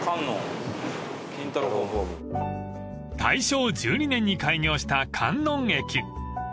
［大正１２年に開業した観音駅］